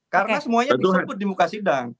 karena semuanya disebut di muka sidang